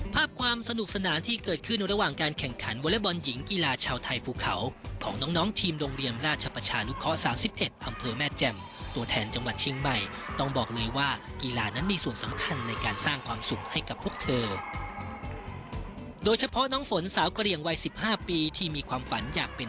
ความสนุกสนานที่เกิดขึ้นระหว่างการแข่งขันวอเล็กบอลหญิงกีฬาชาวไทยภูเขาของน้องทีมโรงเรียนราชประชานุเคราะห์๓๑อำเภอแม่แจ่มตัวแทนจังหวัดเชียงใหม่ต้องบอกเลยว่ากีฬานั้นมีส่วนสำคัญในการสร้างความสุขให้กับพวกเธอโดยเฉพาะน้องฝนสาวกระเหลี่ยงวัยสิบห้าปีที่มีความฝันอยากเป็น